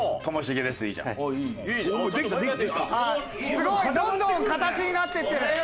すごい！どんどん形になっていってる！